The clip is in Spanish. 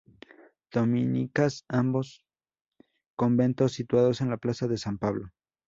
Dominicas ambos conventos situados en la plaza de San Pablo.